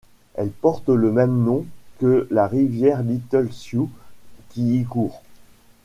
Elle porte le meme nom que la rivière Little Sioux qui y court.